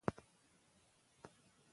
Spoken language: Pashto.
دوی په ژمي کې خپلو مالونو ته واښه برابرول.